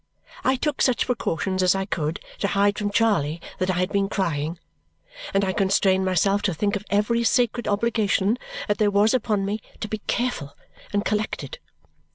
I took such precautions as I could to hide from Charley that I had been crying, and I constrained myself to think of every sacred obligation that there was upon me to be careful and collected.